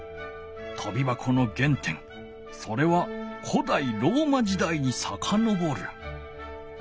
とびばこの原点それは古代ローマ時代にさかのぼる。